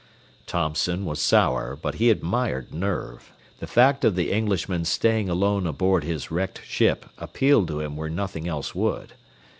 Thompson was sour, but he admired nerve. The fact of the Englishman staying alone aboard his wrecked ship appealed to him where nothing else would.